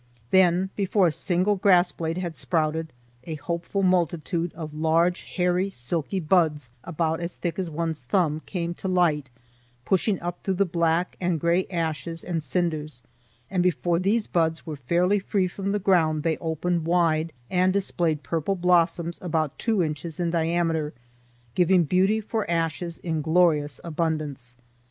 Then, before a single grass blade had sprouted, a hopeful multitude of large hairy, silky buds about as thick as one's thumb came to light, pushing up through the black and gray ashes and cinders, and before these buds were fairly free from the ground they opened wide and displayed purple blossoms about two inches in diameter, giving beauty for ashes in glorious abundance.